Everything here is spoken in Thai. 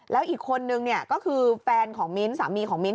แล้วอีกคนนึงเนี่ยก็คือแฟนของมิ้นท์สามีของมิ้นท